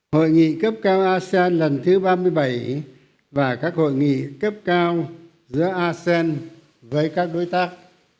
hội nghị cấp cao asean lần thứ ba mươi bảy và các hội nghị cấp cao giữa asean với các đối tác